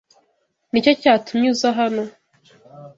Nicyo cyatumye uza hano?